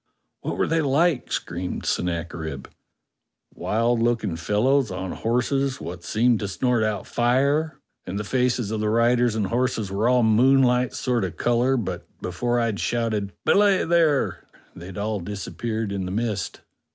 "What were they like?" screamed Sennacherib. "Wild looking fellows on horses wot seemed to snort out fire, and the faces of the riders and horses were all moonlight sort of colour, but before I'd shouted, 'Belay there!' they'd all disappeared in the mist."